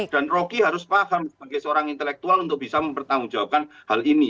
dan rocky harus paham sebagai seorang intelektual untuk bisa mempertanggungjawabkan hal ini